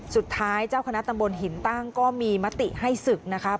สุดท้ายเจ้าคณะตำบลหินตั้งก็มีมติให้ศึกนะครับ